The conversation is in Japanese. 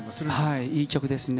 はい、いい曲ですね。